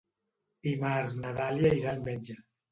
Dimarts na Dàlia irà al metge.